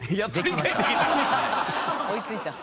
追いついた。